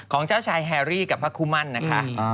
ของเจ้าชายแฮรี่กับพระคุมั่นนะคะ